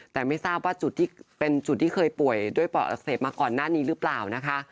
แต่ไม่ทราบว่าจุดที่เป็นจุดที่เคยป่วยด้วยปอดอักเสบมาก่อนหน้านี้หรือเปล่านะคะ